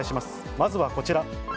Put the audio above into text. まずはこちら。